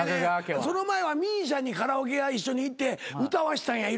その前はＭＩＳＩＡにカラオケ屋一緒に行って歌わしたんや色々。